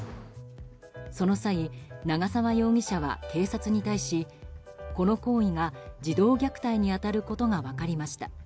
その際長澤容疑者は警察に対し「この行為が児童虐待に当たることが分かりました」